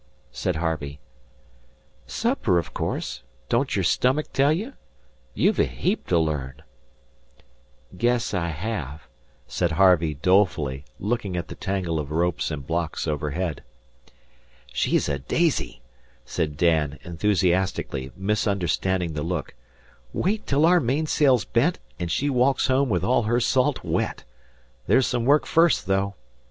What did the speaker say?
said Harvey. "Supper, o' course. Don't your stummick tell you? You've a heap to learn." "Guess I have," said Harvey, dolefully, looking at the tangle of ropes and blocks overhead. "She's a daisy," said Dan, enthusiastically, misunderstanding the look. "Wait till our mainsail's bent, an' she walks home with all her salt wet. There's some work first, though."